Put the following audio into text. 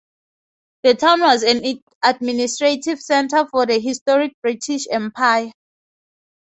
The town was an administrative centre for the historic British empire.